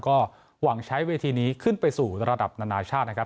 ก็หวังใช้เวทีนี้ขึ้นไปสู่ระดับนานาชาตินะครับ